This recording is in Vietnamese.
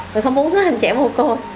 mình không muốn nó thành trẻ mồ côi